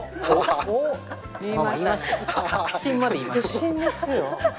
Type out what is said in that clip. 確信ですよ。